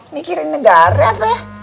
mikirin negara apa ya